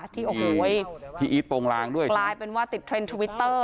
ที่โอ้โหพี่อีทโปรงลางด้วยกลายเป็นว่าติดเทรนด์ทวิตเตอร์